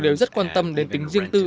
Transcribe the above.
đều rất quan tâm đến tính riêng tư